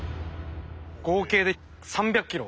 合計で３００ｋｇ。